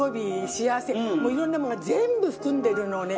幸せいろんなものが全部含んでるのをね